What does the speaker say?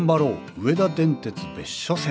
上田電鉄別所線」。